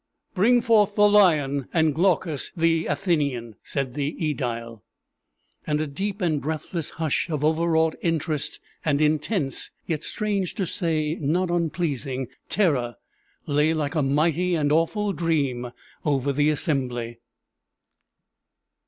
"Bring forth the lion and Glaucus the Athenian," said the ædile. And a deep and breathless hush of overwrought interest and intense (yet strange to say not unpleasing) terror lay like a mighty and awful dream over the assembly.